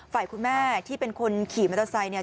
ฝ่ายคุณแม่ที่เป็นคนขี่มัตตาไซค์